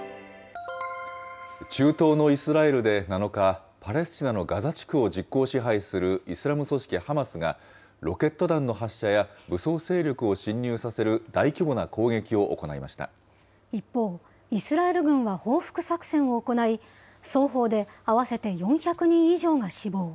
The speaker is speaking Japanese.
中東のイスラエルで７日、パレスチナのガザ地区を実効支配するイスラム組織ハマスが、ロケット弾の発射や武装勢力を侵入させる大規模な攻撃を行いまし一方、イスラエル軍は報復作戦を行い、双方で合わせて４００人以上が死亡。